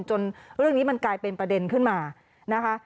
จนเรื่องนี้มันกลายเป็นประเด็นขึ้นมานะคะ